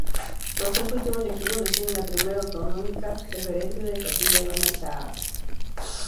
Los tres últimos equipos descienden a Primera Autonómica Preferente de Castilla-La Mancha.